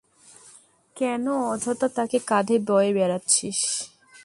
কেন অযথা তাকে কাধে বয়ে বোড়াচ্ছিস?